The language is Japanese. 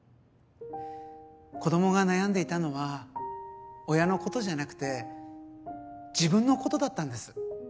子供が悩んでいたのは親のことじゃなくて自分のことだったんです。